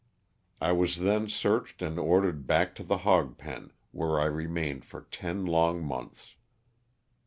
I was then searched and ordered back to the hog pen, where I remained for ten long months.